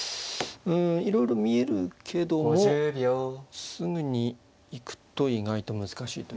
いろいろ見えるけどもすぐに行くと意外と難しいということかな。